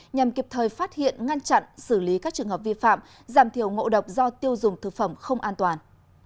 nhằm kịp thời phát hiện ngăn chặn xử lý các trường hợp vi phạm giảm thiểu ngộ độc do tiêu dùng thực phẩm không an toàn